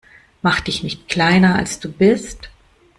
Mach dich nicht kleiner, als du bist.